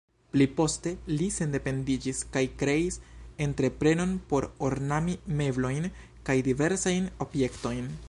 Pli poste li sendependiĝis kaj kreis entreprenon por ornami meblojn kaj diversajn objektojn.